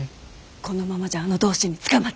このままじゃあの同心に捕まっちまう。